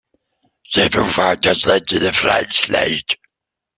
Several factors led to the Frank Slide.